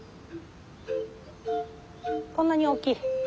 こんなに大きい。